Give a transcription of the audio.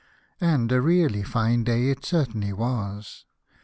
And a really fine day it certainly was.